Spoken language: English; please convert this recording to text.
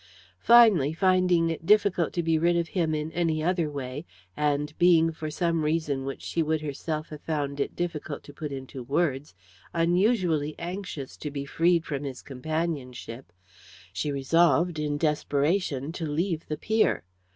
Finally, finding it difficult to be rid of him in any other way, and being, for some reason which she would herself have found it difficult to put into words, unusually anxious to be freed from his companionship, she resolved, in desperation, to leave the pier.